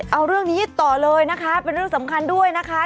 เอาเรื่องนี้ต่อเลยนะคะเป็นเรื่องสำคัญด้วยนะคะ